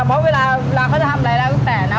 เพราะเวลาเวลาเค้าจะทำอะไรแล้วก็แปะน่ะ